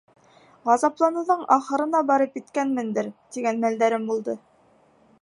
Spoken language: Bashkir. Ғазапланыуҙың ахырына барып еткәнмендер, тигән мәлдәрем булды.